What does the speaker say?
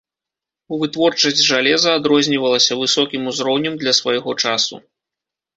Вытворчасць жалеза адрознівалася высокім узроўнем для свайго часу.